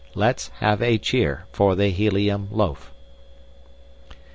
Let's have a cheer for the helium loaf!"